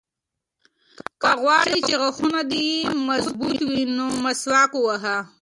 که غواړې چې غاښونه دې مضبوط وي نو مسواک وهه.